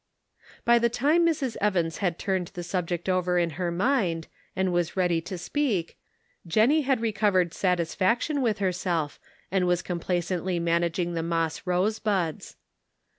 By the time Mrs. Evans had turned the sub Conflicting Duties. 215 ject over in her mind, and was ready to speak, Jennie had recovered satisfaction with herself and was complacently managing the moss rose buds.